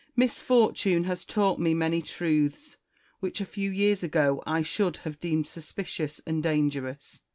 Misfortune has taught me many truths, which a few years ago I should have deemed suspicious and dangerous.